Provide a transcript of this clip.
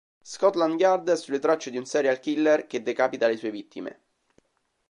Scotland Yard è sulle tracce di un serial killer che decapita le sue vittime.